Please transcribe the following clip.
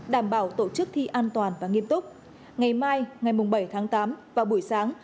đảm bảo tổ chức thi an toàn và nghiêm túc ngày mai ngày bảy tháng tám và buổi sáng